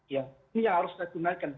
ini yang harus kita gunakan